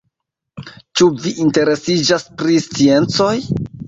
Ĉu vi interesiĝas pri sciencoj?